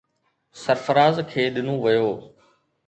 سرفراز کي ڏنو ويو.